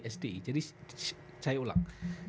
sde jadi saya ulang